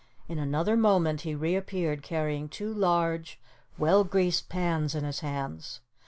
In another moment he reappeared carrying two large, well greased pans in his hands.